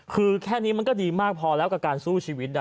คือแค่นี้มันก็ดีมากพอแล้วกับการสู้ชีวิต